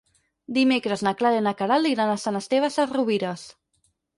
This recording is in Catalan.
Dimecres na Clara i na Queralt iran a Sant Esteve Sesrovires.